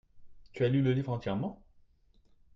Tu as lu le livre entièrement ?